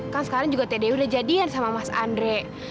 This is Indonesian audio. kan sekarang teh dewi udah jadiin sama mas andre